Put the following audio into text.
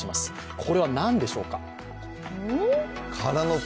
これは何でしょうか。